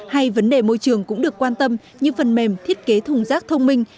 hay vấn đề môi trường cũng được quan tâm như phần mềm thiết kế thùng rác thông minh